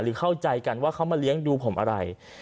เข้าใจกันว่าเขามาเลี้ยงดูผมอะไร